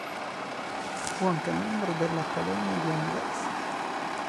Fu anche un membro della Accademia di Anversa.